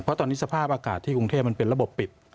เพราะตอนนี้สภาพอากาศที่กรุงเทพมันเป็นระบบปิด